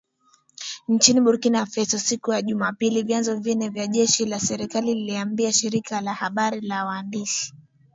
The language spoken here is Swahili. Nchini Burkina Faso siku ya Jumapili vyanzo vine vya jeshi la serikali vililiambia shirika la habari la wandishi .